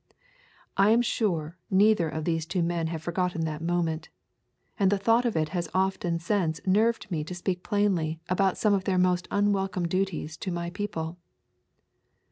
I am sure neither of those two men have forgotten that moment, and the thought of it has often since nerved me to speak plainly about some of their most unwelcome duties to my people.